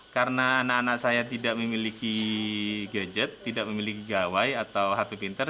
karena anak anak saya tidak memiliki gadget tidak memiliki gawai atau hp pinter